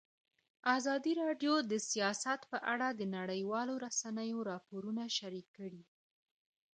ازادي راډیو د سیاست په اړه د نړیوالو رسنیو راپورونه شریک کړي.